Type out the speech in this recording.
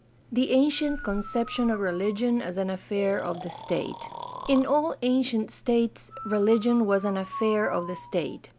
The ancient conception of religion as an afifair of the state. — In all ancient states religion was an affair of the state.